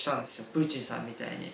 プーチンさんみたいに。